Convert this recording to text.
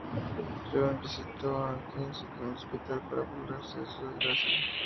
John visitó a Quincy en el hospital para burlarse de su desgracia.